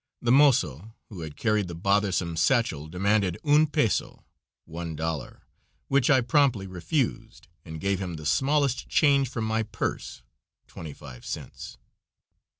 The mozo who had carried the bothersome sachel demanded "un peso" (one dollar), which I very promptly refused, and gave him the smallest change from my purse twenty five cents.